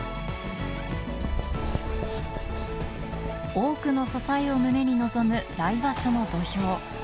多くの支えを胸に臨む来場所の土俵。